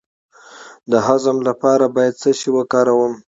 د هضم لپاره باید څه شی وکاروم؟